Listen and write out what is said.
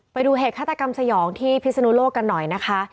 ไปดูเหตุฆาตกรรมสยองที่พิศนุโลกกันหน่อยนะคะ